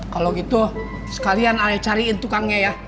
kalau gitu sekalian ayo cariin tukangnya ya